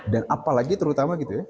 dan apalagi terutama gitu ya